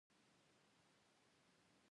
ستا پښتو زده ده.